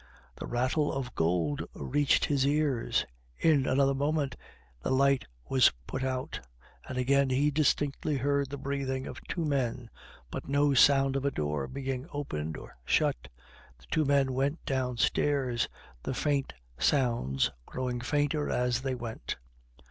The rattle of gold reached his ears. In another moment the light was put out, and again he distinctly heard the breathing of two men, but no sound of a door being opened or shut. The two men went downstairs, the faint sounds growing fainter as they went.